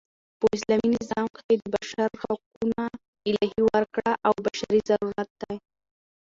په اسلامي نظام کښي د بشر حقونه الهي ورکړه او بشري ضرورت دئ.